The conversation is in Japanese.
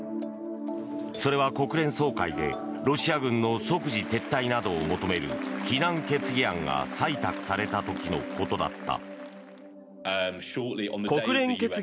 それは、国連総会でロシア軍の即時撤退などを求める非難決議案が採択された時のことだった。